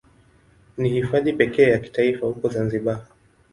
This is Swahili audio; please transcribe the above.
Ni Hifadhi pekee ya kitaifa huko Zanzibar.